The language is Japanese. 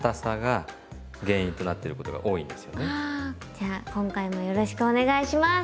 じゃあ今回もよろしくお願いします。